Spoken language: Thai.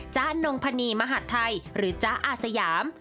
จ๊ะนงพณีมหัฒน์ไทยหรือจ๊ะอาสยาม